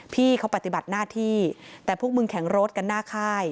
พี่เขาปฏิบัติหน้าที่แต่พวกมึงแข่งรถกันหน้าค่าย